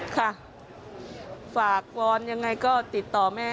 ค่ะฝากวอนยังไงก็ติดต่อแม่